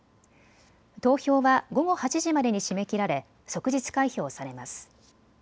投票は午後８時までに締め切られ即日開票されます。